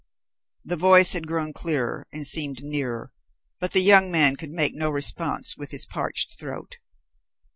The voice had grown clearer, and seemed nearer, but the young man could make no response with his parched throat.